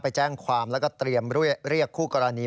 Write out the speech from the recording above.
ไปแจ้งความแล้วก็เตรียมเรียกคู่กรณี